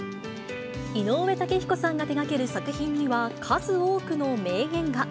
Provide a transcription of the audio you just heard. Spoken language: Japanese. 井上雄彦さんが手がける作品には数多くの名言が。